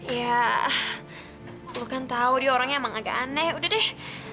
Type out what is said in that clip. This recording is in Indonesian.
iya lo kan tau dia orangnya emang agak aneh udah deh